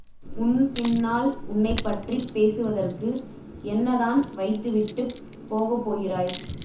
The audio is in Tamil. உன் பின்னால் உன்னைப்பற்றிப் பேசுவதற்கு என்னதான் வைத்துவிட்டுப் போகப் போகிறாய்?